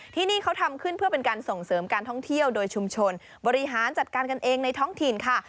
ที่นี่เขาทำขึ้นเพื่อเป็นการส่งเสริมการท่องเที่ยวโดยชุมชนบริหารจัดการกันเองในท้องถิ่นค่ะ